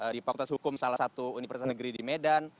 di fakultas hukum salah satu universitas negeri di medan